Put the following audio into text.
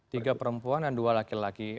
tiga perempuan dan dua laki laki